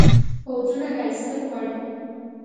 پوځونو را ایستل غواړي.